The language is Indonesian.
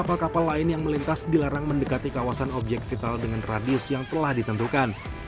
kapal kapal lain yang melintas dilarang mendekati kawasan objek vital dengan radius yang telah ditentukan